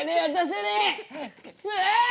くそ！